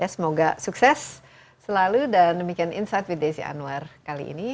semoga sukses selalu dan demikian insight with desi anwar kali ini